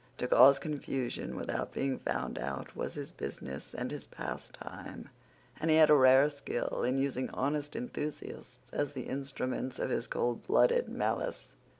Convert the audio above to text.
To cause confusion without being found out was his business and his pastime; and he had a rare skill in using honest enthusiasts as the instruments of his coldblooded malice.